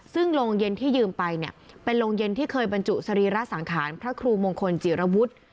ซึ่งโรงเย็นที่ยืมไปเนี่ยเป็นโรงเย็นที่เคยบรรจุสรีระสังขารพระครูมงคลจิรวุฒิ